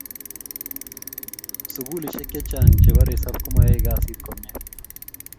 sukulisek che chang che bo resap komai kasit komie